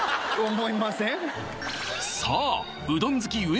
思いませんさあ